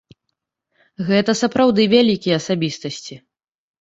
Гэта сапраўды вялікія асабістасці.